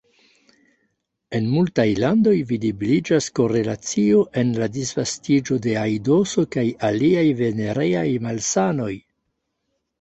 En multaj landoj videbliĝas korelacio en la disvastiĝo de aidoso kaj aliaj venereaj malsanoj.